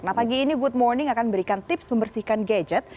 nah pagi ini good morning akan memberikan tips membersihkan gadget